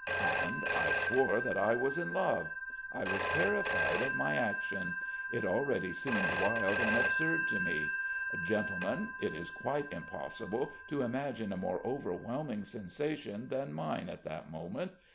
"And I swore that I was in love. I was terrified of my action. It already seemed wild and absurd to me. Gentlemen, it is quite impossible to imagine a more overwhelming sensation than mine at that moment!